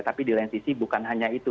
tapi di lain sisi bukan hanya itu